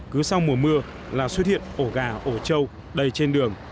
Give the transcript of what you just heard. cứ sau mùa mưa là xuất hiện ổ gà ổ trâu đầy trên đường